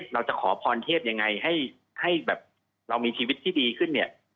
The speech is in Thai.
เราจะขอพรเทพอย่างไรให้เรามีชีวิตที่ดีขึ้น